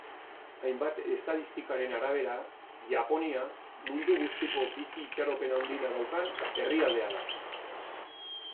Hainbat estadistikaren arabera, Japonia mundu guztiko bizi itxaropen handiena daukan herrialdea da.